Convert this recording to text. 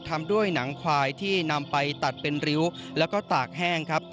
ทำด้วยหนังควายที่นำไปตัดเป็นริ้วแล้วก็ตากแห้งครับ